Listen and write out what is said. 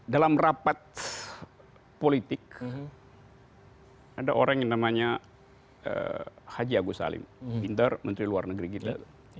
dalam rapat politik ada orang yang namanya haji agus salim pintar menteri luar negeri kita